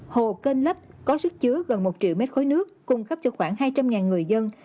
hồ kênh lấp có sức chứa gần một triệu mét khối nước cung cấp cho khoảng hai trăm linh người dân